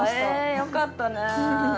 えよかったね。